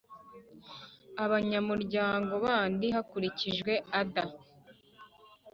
Abanyamuryango bandi hakurikijwe Other